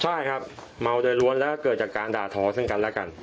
ใช่ครับเมาโดยล้วนแล้วเกิดจากการด่าทอซึ่งกันและกัน